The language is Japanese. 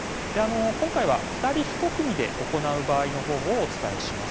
今回は２人一組で行う場合の方法をお伝えします。